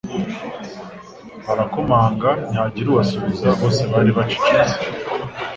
Barakomanga, ntihagira ubasubiza, bose bari bacecetse.